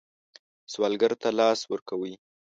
سوالګر ته لاس ورکوئ